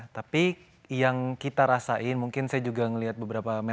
tapi yang kita rasain mungkin saya juga melihat beberapa media